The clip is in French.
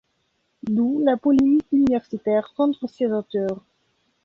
D'où la polémique universitaire contre ces auteurs.